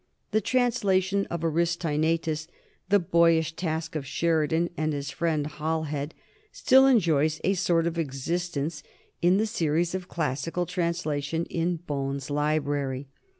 The translation of Aristaenetus, the boyish task of Sheridan and his friend Halhed, still enjoys a sort of existence in the series of classical translations in Bohn's Library.